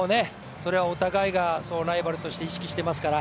それはお互いにライバルとして意識してますから。